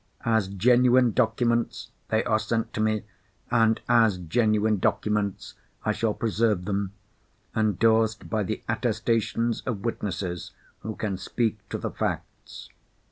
As genuine documents they are sent to me—and as genuine documents I shall preserve them, endorsed by the attestations of witnesses who can speak to the facts.